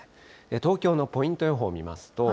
東京のポイント予報を見ますと。